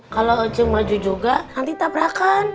kalau oce maju juga nanti tak perahkan